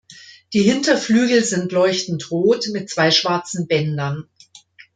Die Hinterflügel sind leuchtend rot mit zwei schwarzen Bändern.